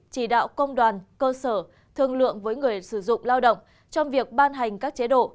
chỉ đạo công đoàn cơ sở thương lượng với người sử dụng lao động trong việc ban hành các chế độ